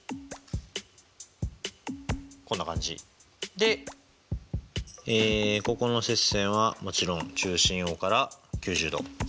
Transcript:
でここの接線はもちろん中心Ｏから９０°。